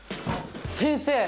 先生！